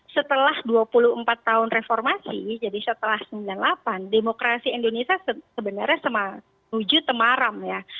setelah dua puluh empat tahun reformasi jadi setelah seribu sembilan ratus sembilan puluh delapan demokrasi indonesia sebenarnya sema nuju temaram ya